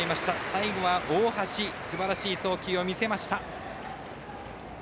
最後は大橋すばらしい送球を見せました。